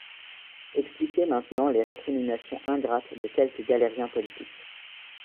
Expliquez maintenant les récriminations ingrates de quelques galériens politiques.